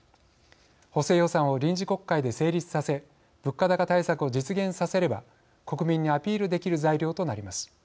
補正予算を臨時国会で成立させ物価高対策を実現させれば国民にアピールできる材料となります。